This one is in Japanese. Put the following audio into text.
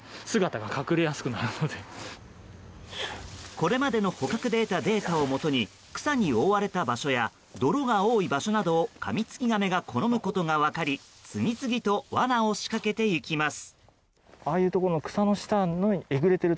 これまでの捕獲で得たデータをもとに草に覆われた場所や泥が多い場所などをカミツキガメが好むことが分かり次々とわなを仕掛けていきます。